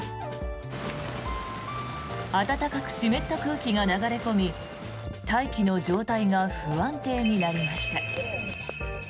暖かく湿った空気が流れ込み大気の状態が不安定になりました。